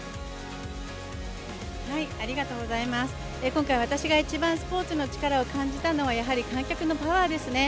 今回、私が一番スポーツのチカラを感じたのはやはり観客のパワーですね。